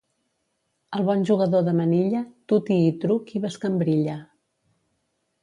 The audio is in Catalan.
El bon jugador de manilla, tuti i truc i bescambrilla.